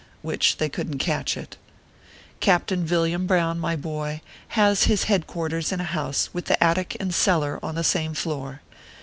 Which they couldn t catch it. Captain Villiam Brown, my boy, has his head quarters in a house with the attic and cellar on the same floor.